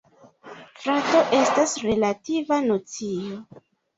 Frato estas relativa nocio.